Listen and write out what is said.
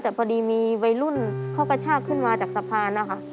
แต่พอดีมีวัยรุ่นเขากระชากขึ้นมาจากสะพานนะคะ